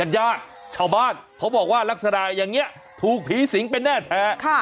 ญาติชาวบ้านเขาบอกว่าลักษณะอย่างนี้ถูกผีสิงเป็นแน่แท้